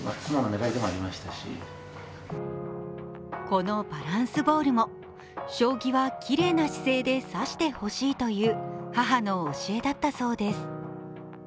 このバランスボールも将棋はきれいな姿勢で指してほしいという母の教えだったそうです。